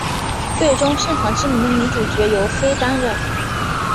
最终圣堂之门的女主角由飞担任。